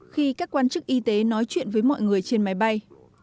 khi các quan chức y tế nói chuyện với mọi người trên máy bay